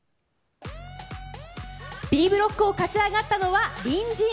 Ｂブロックを勝ち上がったのは、隣人。